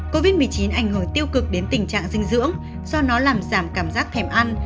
covid một mươi chín ảnh hưởng tiêu cực đến tình trạng dinh dưỡng do nó làm giảm cảm giác thèm ăn